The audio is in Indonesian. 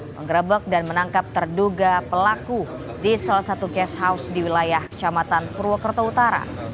mengerebek dan menangkap terduga pelaku di salah satu case house di wilayah kecamatan purwokerto utara